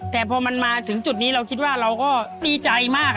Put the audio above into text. แต่พอมันมาถึงจุดนี้เราคิดว่าเราก็ดีใจมาก